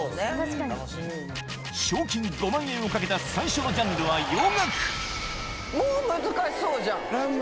賞金５万円を懸けた最初のジャンルは「洋楽」もう難しそうじゃん。